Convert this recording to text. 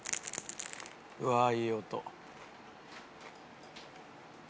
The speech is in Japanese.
うわあいい音。